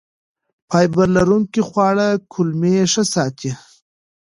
فایبر لرونکي خواړه کولمې ښه ساتي.